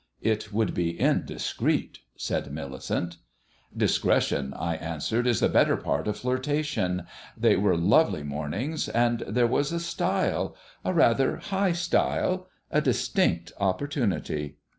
"It would be indiscreet," said Millicent. "Discretion," I answered, "is the better part of flirtation. They were lovely mornings, and there was a stile a rather high stile a distinct opportunity."